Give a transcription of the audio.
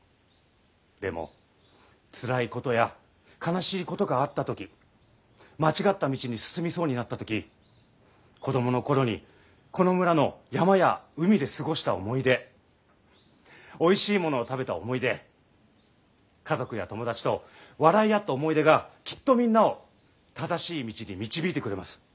でもつらいことや悲しいことがあった時間違った道に進みそうになった時子供の頃にこの村の山や海で過ごした思い出おいしいものを食べた思い出家族や友達と笑い合った思い出がきっとみんなを正しい道に導いてくれます。